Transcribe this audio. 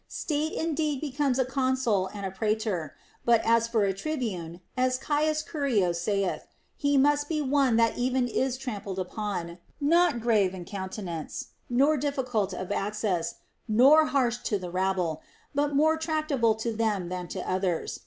State indeed becomes a consul and a praetor ; but as for a tri bune (as Caius Curio saith), he must be one that even is trampled upon, not grave in countenance, nor difficult of access, nor harsh to the rabble, but more tractable to them than to others.